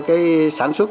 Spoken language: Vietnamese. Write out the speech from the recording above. cái sản xuất